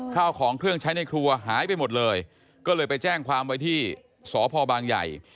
ข้าวของเครื่องใช้ในครัวหายไปหมดเลยก็เลยไปแจ้งความไว้ที่สพบางใหญ่